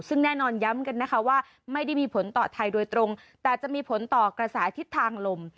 ซึ่งแน่นอนย้ำกันนะคะว่าไม่ได้มีผลต่อไทยโดยตรงแต่จะมีผลต่อกระแสทิศทางลม